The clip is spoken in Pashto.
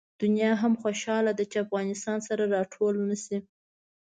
دنیا هم خوشحاله ده چې افغانستان سره راټول نه شي.